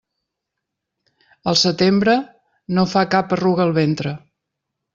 Al setembre, no fa cap arruga el ventre.